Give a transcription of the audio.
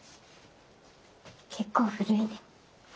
結構古いね。